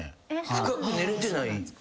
深く寝れてない。